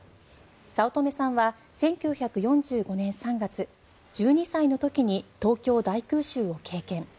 早乙女さんは１９４５年３月、１２歳の時に東京大空襲を経験。